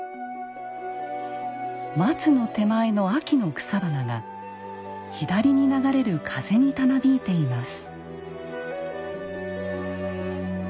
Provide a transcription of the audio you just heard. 松の手前の秋の草花が左に流れる風にたなびいています。